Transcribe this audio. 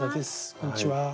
こんにちは。